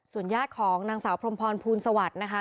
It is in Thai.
ญาติของนางสาวพรมพรภูลสวัสดิ์นะคะ